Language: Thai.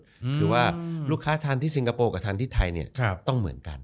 คือว่าลูกค้าทานที่สิงคโปร์กับทานที่ไทยเนี่ยต้องเหมือนกัน